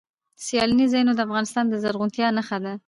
سیلانی ځایونه د افغانستان د زرغونتیا نښه ده.